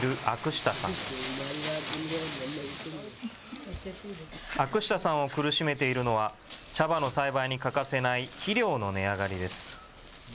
アクシタさんを苦しめているのは茶葉の栽培に欠かせない肥料の値上がりです。